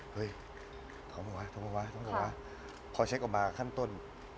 เฮ้ยท้องมาวะพอเช็คออกมาขั้นต้น